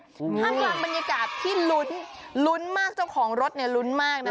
ท่ามกลางบรรยากาศที่ลุ้นลุ้นมากเจ้าของรถเนี่ยลุ้นมากนะ